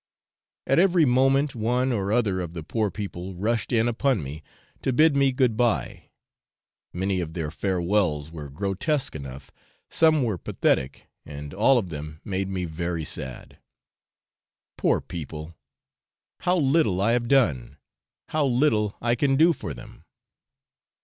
At every moment one or other of the poor people rushed in upon me to bid me good bye; many of their farewells were grotesque enough, some were pathetic, and all of them made me very sad. Poor people! how little I have done, how little I can do for them.